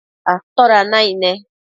¿atoda naic ne?